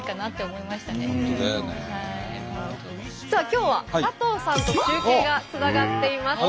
さあ今日は佐藤さんと中継がつながっています。